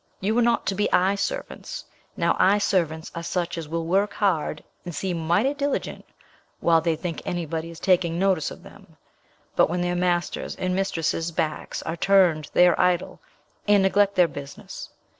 "You are not to be eye servants. Now, eye servants are such as will work hard, and seem mighty diligent, while they think anybody is taking notice of them; but, when their masters' and mistresses' backs are turned they are idle, and neglect their business.